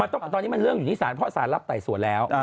ตอนนี้มันเรื่องอยู่ที่สารเพราะสารรับไต่สวนแล้ว